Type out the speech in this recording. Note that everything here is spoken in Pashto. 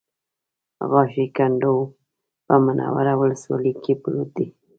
غاښی کنډو په منوره ولسوالۍ کې پروت دی